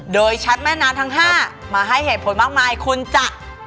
โดยชัดแม่น้ำทั้ง๕มาให้เหตุผลมากมายคุณจะ